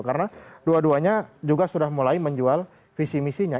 karena dua duanya juga sudah mulai menjual visi visinya